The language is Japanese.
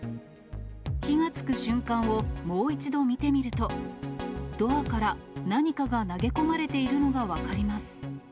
火がつく瞬間をもう一度見てみると、ドアから何かが投げ込まれているのが分かります。